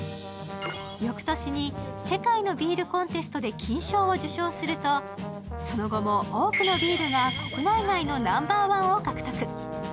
翌年に世界のビールコンテストで金賞を受賞すると、その後も多くのビールが国内外のナンバーワンを獲得。